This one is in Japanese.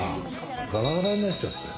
ガラガラになっちゃった。